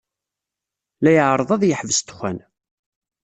La iɛerreḍ ad yeḥbes ddexxan.